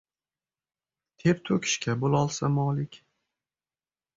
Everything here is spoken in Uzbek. Ter to‘kishga bo‘lolsa molik,—